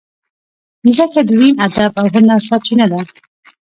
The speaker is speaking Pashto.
مځکه د دین، ادب او هنر سرچینه ده.